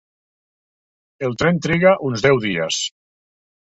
El tren triga uns deu dies.